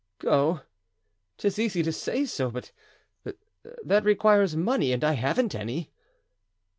"Go! 'tis easy to say so, but that requires money, and I haven't any."